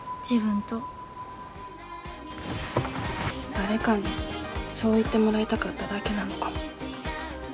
誰かにそう言ってもらいたかっただけなのかも。